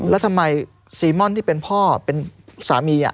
แล้วทำไมซีม่อนที่เป็นพ่อเป็นสามี